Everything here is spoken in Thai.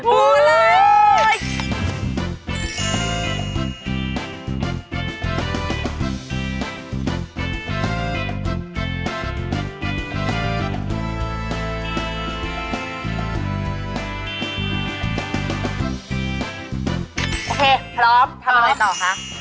โอเคพร้อมทำอะไรต่อคะ